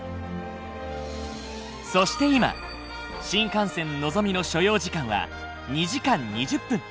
そして今新幹線のぞみの所要時間は２時間２０分。